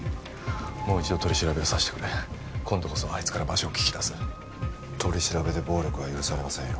もう一度取り調べをさせてくれ今度こそあいつから場所を聞き出す取り調べで暴力は許されませんよ